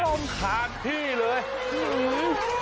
เด็ดขาดที่เลย